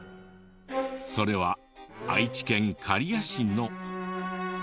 それは愛知県刈谷市の。